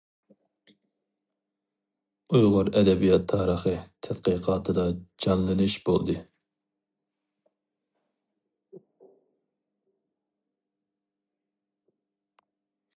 ئۇيغۇر ئەدەبىيات تارىخى تەتقىقاتىدا جانلىنىش بولدى.